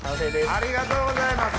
ありがとうございます